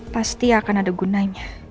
pasti akan ada gunanya